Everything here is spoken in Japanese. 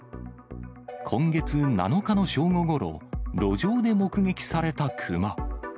今月７日の正午ごろ、路上で目撃された熊。